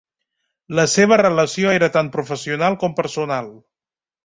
La seva relació era tant professional com personal.